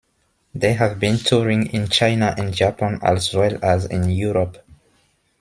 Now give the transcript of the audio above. They have been touring in China and Japan as well as in Europe.